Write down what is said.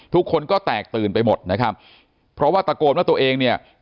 ทุกคนก็แตกตื่นไปหมดนะครับเพราะว่าตะโกนว่าตัวเองเนี่ย